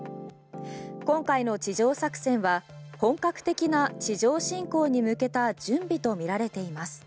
今回の地上作戦は本格的な地上侵攻に向けた準備とみられています。